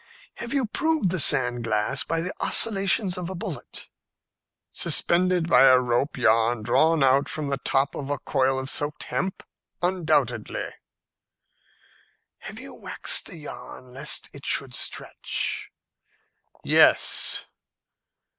"Have you proved the sand glass by the oscillations of a bullet?" "Suspended by a rope yarn drawn out from the top of a coil of soaked hemp? Undoubtedly." "Have you waxed the yarn lest it should stretch?" "Yes."